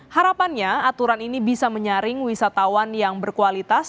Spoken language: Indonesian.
harapannya aturan ini bisa menyaring wisatawan yang berkualitas